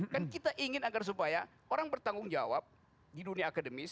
kan kita ingin agar supaya orang bertanggung jawab di dunia akademis